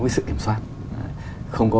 cái sự kiểm soát không có